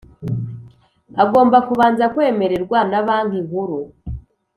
agomba kubanza kwemererwa na Banki Nkuru